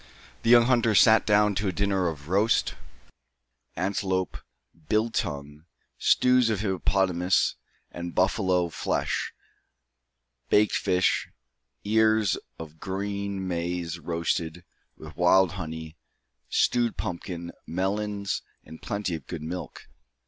The young hunters sat down to a dinner of roast antelope, biltongue, stews of hippopotamus and buffalo flesh, baked fish, ears of green maize roasted, with wild honey, stewed pumpkin, melons, and plenty of good milk.